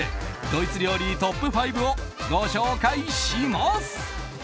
ドイツ料理トップ５をご紹介します！